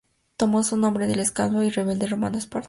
Tomó su nombre del esclavo y rebelde romano Espartaco.